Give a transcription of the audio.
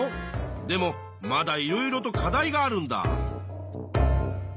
でもまだいろいろと課題があるんだ。